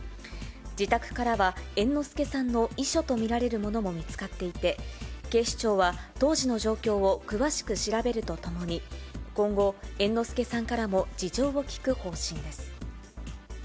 自宅からは猿之助さんの遺書と見られるものも見つかっていて、警視庁は当時の状況を詳しく調べるとともに、今後、猿之助さんからも事情を聴く方針です。